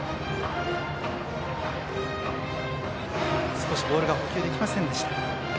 少しボールが捕球できませんでした。